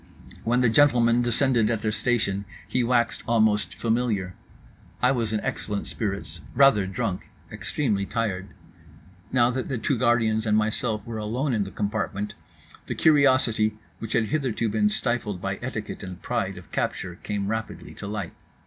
When the gentlemen descended at their station he waxed almost familiar. I was in excellent spirits; rather drunk; extremely tired. Now that the two guardians and myself were alone in the compartment, the curiosity which had hitherto been stifled by etiquette and pride of capture came rapidly to light.